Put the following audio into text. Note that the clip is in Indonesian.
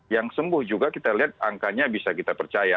yang sembuh juga kita lihat angkanya bisa kita percaya